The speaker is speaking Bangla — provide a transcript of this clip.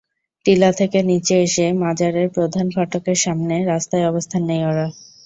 টিলা থেকে নিচে এসে মাজারের প্রধান ফটকের সামনে রাস্তায় অবস্থান নেয় ওরা।